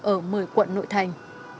ở một mươi quận nội thành